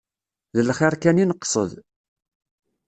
D lxir kan i neqsed.